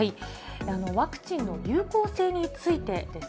ワクチンの有効性についてです。